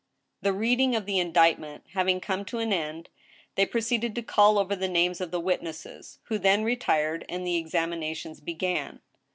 The reading of the indictment having come to an end, they proceeded to call over the names of the witnesses, who then retired, and the examinations began.